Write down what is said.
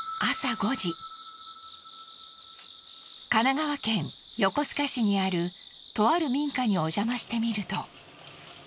神奈川県横須賀市にあるとある民家におじゃましてみると。